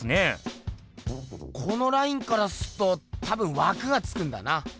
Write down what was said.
このラインからすっと多分わくがつくんだな。